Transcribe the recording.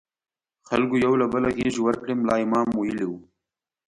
خلکو یو له بله غېږې ورکړې، ملا امام ویلي وو.